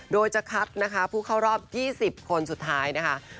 โดยจะคัดนะคะผู้เข้ารอบ๒๐คนสุดท้ายนะคะ